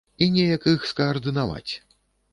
І неяк іх скаардынаваць.